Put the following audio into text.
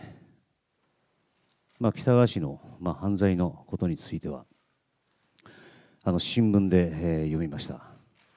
喜多川氏の犯罪のことについては、新聞で読みました。